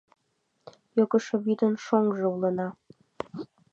Йогышо вӱдын шоҥжо улына;